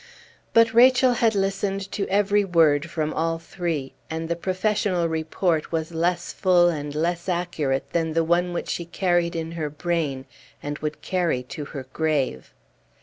But Rachel had listened to every word from all three; and the professional report was less full and less accurate than the one which she carried in her brain and would carry to her grave.